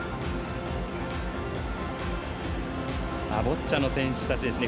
ボッチャの選手たちですね。